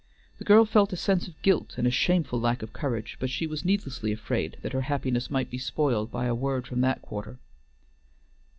The girl felt a sense of guilt and a shameful lack of courage, but she was needlessly afraid that her happiness might be spoiled by a word from that quarter.